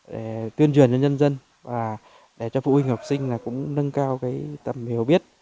để tuyên truyền cho nhân dân và để cho phụ huynh học sinh cũng nâng cao tầm hiểu biết